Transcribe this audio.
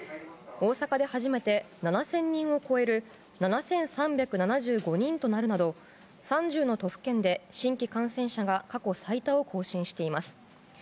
大阪で初めて７０００人を超える７３７５人となるなど３０の都府県で、新規感染者が過去最多を更新しています。